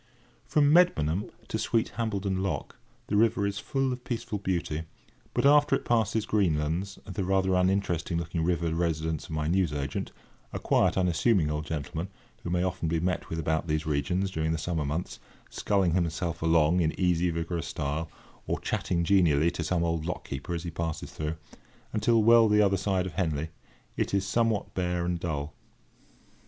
From Medmenham to sweet Hambledon Lock the river is full of peaceful beauty, but, after it passes Greenlands, the rather uninteresting looking river residence of my newsagent—a quiet unassuming old gentleman, who may often be met with about these regions, during the summer months, sculling himself along in easy vigorous style, or chatting genially to some old lock keeper, as he passes through—until well the other side of Henley, it is somewhat bare and dull.